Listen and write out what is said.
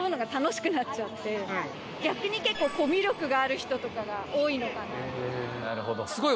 逆に結構コミュ力がある人とかが多いのかな？